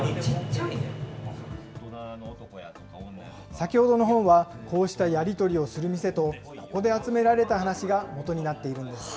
先ほどの本は、こうしたやり取りをする店と、ここで集められた話がもとになっているんです。